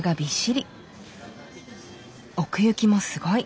奥行きもすごい。